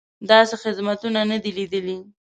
داسې خدمتونه نه دي لیدلي.